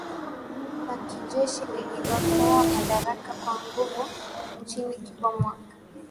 La kijeshi lililotwaa madaraka kwa nguvu nchini Cuba mwaka